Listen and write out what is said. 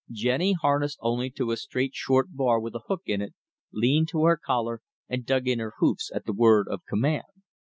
Jenny, harnessed only to a straight short bar with a hook in it, leaned to her collar and dug in her hoofs at the word of command.